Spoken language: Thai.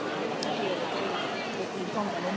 ตอนนี้เราต้องพักตัวเนี้ยทุกคนก็ต้องพักตัวเนี้ย